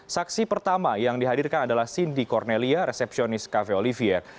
saksi pertama yang dihadirkan adalah cindy cornelia resepsionis cafe olivier